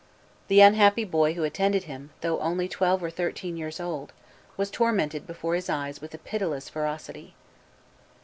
The unhappy boy who attended him, though only twelve or thirteen years old, was tormented before his eyes with a pitiless ferocity.